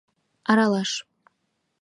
Аралаш